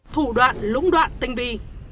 thủ đoạn lũng đoạn tinh vi